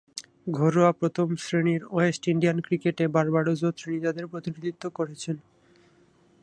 ঘরোয়া প্রথম-শ্রেণীর west Indian ক্রিকেটে বার্বাডোস ও ত্রিনিদাদের প্রতিনিধিত্ব করেছেন।